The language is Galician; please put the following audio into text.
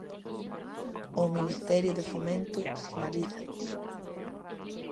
O Ministerio de Fomento sinalízaos.